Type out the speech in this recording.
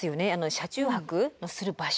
車中泊のする場所。